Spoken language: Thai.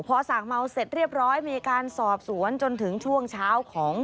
พอสั่งเมาเสร็จเรียบร้อยมีการสอบสวนจนถึงช่วงเช้าของ